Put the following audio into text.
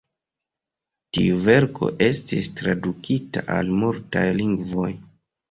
Tiu verko estis tradukita al multaj lingvoj.